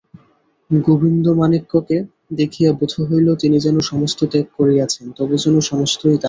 গোবিন্দমাণিক্যকে দেখিয়া বোধ হইল তিনি যেন সমস্ত ত্যাগ করিয়াছেন, তবু যেন সমস্তই তাঁহারই।